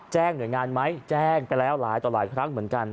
หน่วยงานไหมแจ้งไปแล้วหลายต่อหลายครั้งเหมือนกัน